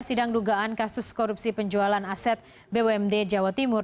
sidang dugaan kasus korupsi penjualan aset bumd jawa timur